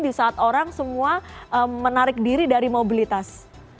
di saat orang semua menarik diri dari mobilitas